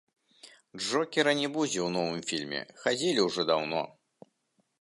Джокера не будзе ў новым фільме хадзілі ўжо даўно.